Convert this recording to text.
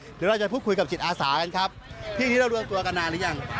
เดี๋ยวเราจะพูดคุยกับจิตอาสากันครับพี่อย่างนี้เรารวมตัวกันนานหรือยัง